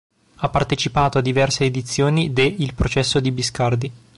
Ha partecipato a diverse edizioni de Il processo di Biscardi.